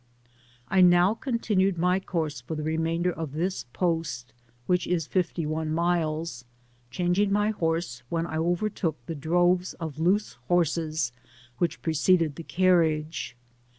I now continued my coarse for the remainder of this post, which is £fty one miks, changing my horse when I overtook the droves of loose horses which preceded the carriage.